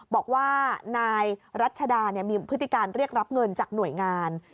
บอกว่านายรัชดามีพฤติการเรียกรับเงินจากหน่วยงาน